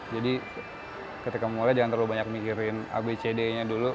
jadi ketika mulai jangan terlalu banyak mikirin a b c d nya dulu